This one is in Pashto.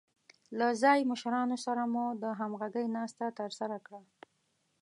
له ځايي مشرانو سره مو د همغږۍ ناسته ترسره کړه.